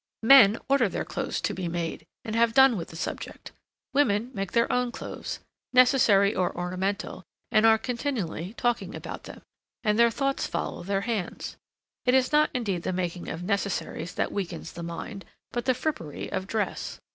Men order their clothes to be made, and have done with the subject; women make their own clothes, necessary or ornamental, and are continually talking about them; and their thoughts follow their hands. It is not indeed the making of necessaries that weakens the mind; but the frippery of dress.